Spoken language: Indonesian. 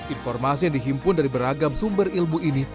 informasi yang dihimpun dari beragam sumber ilmu ini